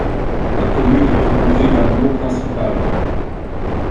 La commune est composée d'un bourg principal.